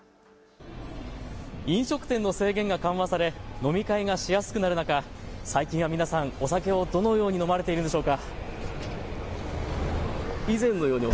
飲食店の制限が緩和され飲み会がしやすくする中、最近は皆さん、お酒をどのように飲まれているんでしょうか。